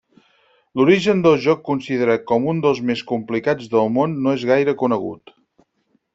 L'origen del joc considerat com un dels més complicats del món no és gaire conegut.